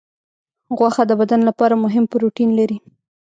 غوښه د بدن لپاره مهم پروټین لري.